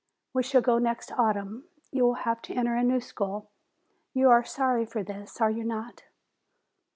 We shall go next autumn. You will have to enter a new school. You are sorry for this, are you not?